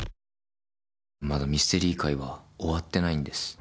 まだミステリー会は終わってないんです。